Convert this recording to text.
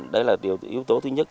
đấy là yếu tố thứ nhất